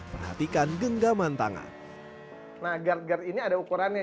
perhatikan genggaman tangan nah gua guard guard ini ada ukurannya